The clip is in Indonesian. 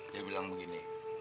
dia bilang begini